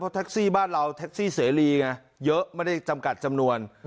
แท็กซี่บ้านเราแท็กซี่เสรีไงเยอะไม่ได้จำกัดจำนวน